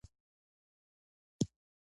سترګې یې سرې شوې.